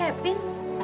ngerawat mas kevin